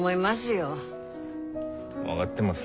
分がってます。